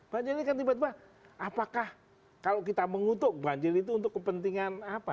banjir ini kan tiba tiba apakah kalau kita mengutuk banjir itu untuk kepentingan apa